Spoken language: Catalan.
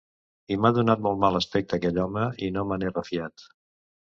I m'ha donat molt mal aspecte aquell home i no me n'he refiat.